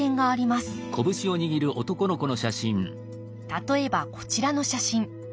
例えばこちらの写真。